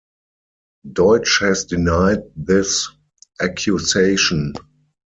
Deutsch has denied this accusation.